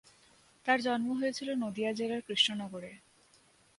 তার জন্ম হয়েছিল নদিয়া জেলার কৃষ্ণনগরে।